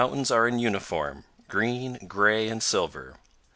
213 tains are in uniform, green, gray, and silver.